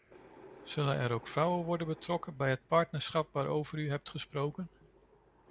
Zullen er ook vrouwen worden betrokken bij het partnerschap waarover u hebt gesproken?